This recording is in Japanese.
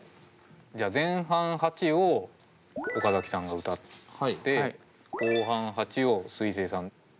じゃあ前半８を岡崎さんが歌って後半８をすいせいさん。